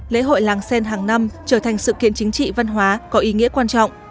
lễ hội làng sen hàng năm trở thành sự kiện chính trị văn hóa có ý nghĩa quan trọng